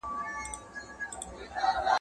د رواني روغتیا په اړه پوهاوی څنګه ورکول کیږي؟